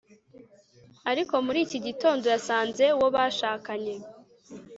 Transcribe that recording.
ariko muri iki gitondo, yasanze uwo bashakanye